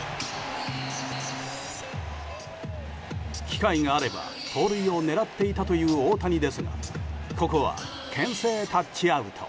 機会があれば盗塁を狙っていたという大谷ですがここは牽制タッチアウト。